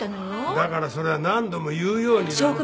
だからそれは何度も言うようにだな。